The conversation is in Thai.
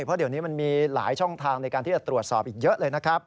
เพราะเดี๋ยวนี้มันมีหลายช่องทางในการที่จะตรวจสอบอีกเยอะเลยนะครับ